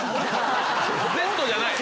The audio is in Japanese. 「Ｚ」じゃない。